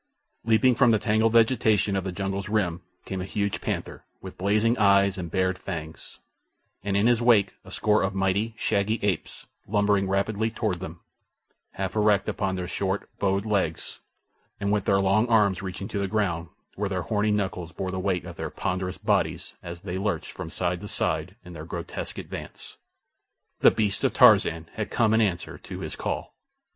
Leaping from the tangled vegetation of the jungle's rim came a huge panther, with blazing eyes and bared fangs, and in his wake a score of mighty, shaggy apes lumbering rapidly toward them, half erect upon their short, bowed legs, and with their long arms reaching to the ground, where their horny knuckles bore the weight of their ponderous bodies as they lurched from side to side in their grotesque advance. The beasts of Tarzan had come in answer to his call.